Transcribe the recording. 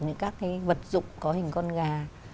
những các cái vật dụng có hình con gà